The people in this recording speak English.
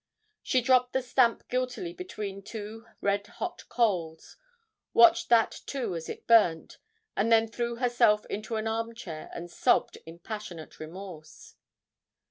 She dropped the stamp guiltily between two red hot coals, watched that too as it burnt, and then threw herself into an arm chair and sobbed in passionate remorse.